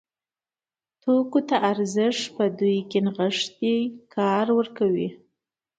توکو ته ارزښت په دوی کې نغښتی کار ورکوي.